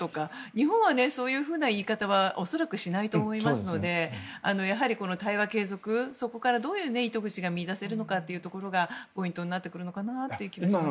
日本は、そういう言い方は恐らくしないと思いますのでやはり対話継続からどういう糸口が見いだせるのかというのがポイントになってくるのかなと思いますね。